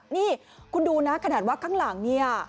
นี่คุณดูนะขนาดว่าข้างหลังเนี่ย